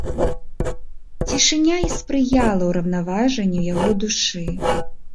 Цішыня і спрыяла ўраўнаважанню яго душы.